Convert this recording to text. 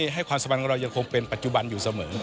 ให้ความสำคัญของเรายังคงเป็นปัจจุบันอยู่เสมอ